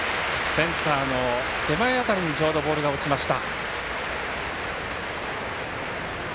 センターの手前辺りにちょうどボールが落ちました。